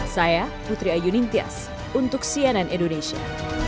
saya putri ayu ningtyas untuk cnn indonesia